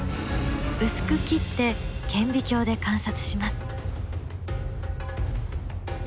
薄く切って顕微鏡で観察します。